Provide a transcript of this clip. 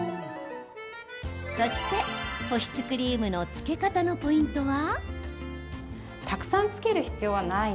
そして、保湿クリームのつけ方のポイントは？